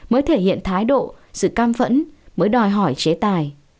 mới thể hiện thái độ sự cam phẫn mới đòi hỏi chế tài